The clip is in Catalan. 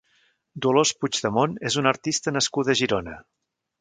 Dolors Puigdemont és una artista nascuda a Girona.